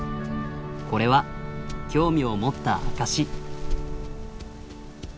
これは興味を持った証し。